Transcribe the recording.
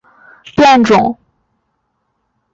偃柏为柏科圆柏属桧树的变种。